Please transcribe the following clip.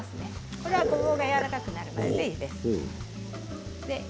これは、ごぼうがやわらかくなるまででいいです。